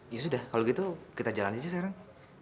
ya sudah kalau begitu kita jalan aja sekarang